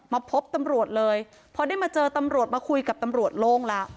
พบตำรวจเลยพอได้มาเจอตำรวจมาคุยกับตำรวจโล่งแล้ว